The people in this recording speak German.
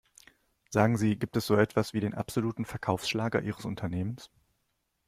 Sagen Sie, gibt es so etwas wie den absoluten Verkaufsschlager ihres Unternehmens?